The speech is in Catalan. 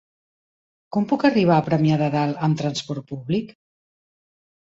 Com puc arribar a Premià de Dalt amb trasport públic?